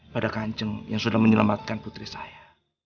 pada kanceng yang sudah menyelamatkan putri saya